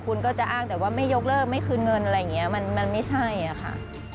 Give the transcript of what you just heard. คุณก็จะอ้างแต่ว่าไม่ยกเลิกไม่คืนเงินอะไรอย่างนี้มันไม่ใช่อะค่ะ